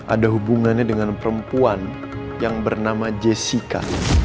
ada hubungannya dengan perempuan yang bernama jessica